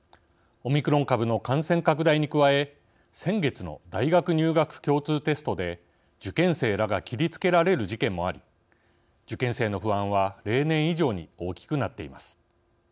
オミクロン株の感染拡大に加え先月の大学入学共通テストで受験生らが切りつけられる事件もあり受験生の不安は例年以上に大きくなっています。